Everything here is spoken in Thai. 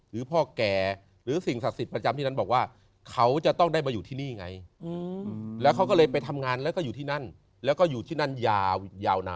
รูปเวทนาสังขารวิญญาณ